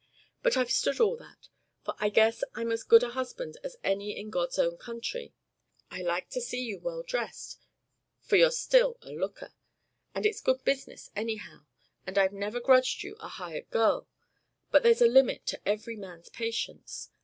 But I've stood all that, for I guess I'm as good a husband as any in God's own country; I like to see you well dressed, for you're still a looker and it's good business, anyhow; and I've never grudged you a hired girl. But there's a limit to every man's patience.